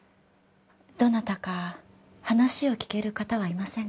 どなたか話を聞ける方はいませんか？